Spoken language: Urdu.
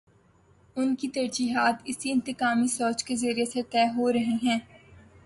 ان کی ترجیحات اسی انتقامی سوچ کے زیر اثر طے ہو رہی ہیں۔